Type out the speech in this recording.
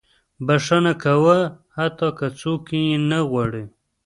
• بښنه کوه، حتی که څوک یې نه غواړي.